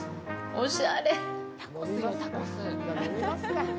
おしゃれ。